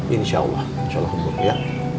insya allah insya allah ya